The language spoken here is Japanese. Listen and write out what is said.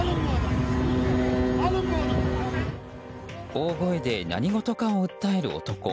大声で何事かを訴える男。